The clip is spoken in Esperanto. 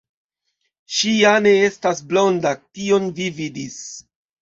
Ŝi ja ne estas blonda, tion vi vidis.